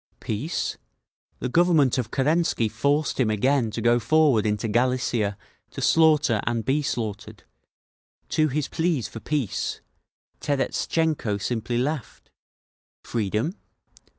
Peace? The Government of Kerensky forced him again to go forward into Galicia to slaughter and be slaughtered; to his pleas for peace, Terestchenko simply laughed…. Freedom?